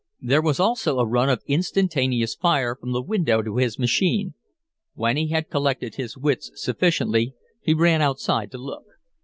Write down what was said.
"There was also a run of instantaneous fire from the window to his machine. When he had collected his wits sufficiently, he ran outside to look.